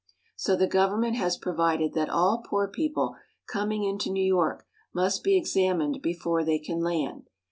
So the government has provided that all poor people coming into New York must be examined before they can land.